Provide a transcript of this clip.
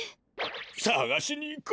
さがしにいこう！